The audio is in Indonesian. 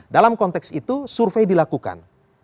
dalam konteks itu survei dilakukan